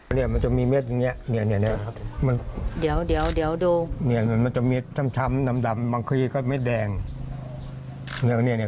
เนี่ยมันจะโผล่ขึ้นมาเรื่อยแล้วก็เขียนแค่เนี้ย